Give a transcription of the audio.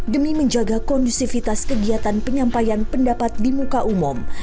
demi menjaga kondusivitas kegiatan penyampaian pendapat di muka umum